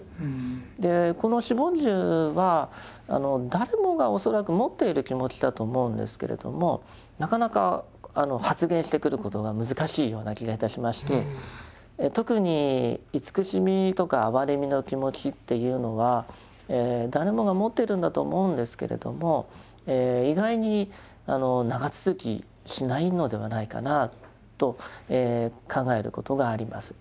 この四梵住は誰もが恐らく持っている気持ちだと思うんですけれどもなかなか発現してくることが難しいような気がいたしまして特に慈しみとか哀れみの気持ちっていうのは誰もが持っているんだと思うんですけれども意外に長続きしないのではないかなと考えることがあります。